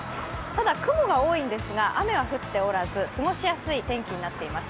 ただ雲が多いんですが、雨は降っておらず、過ごしやすい天気となっています。